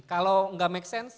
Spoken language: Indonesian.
kalau gak make sense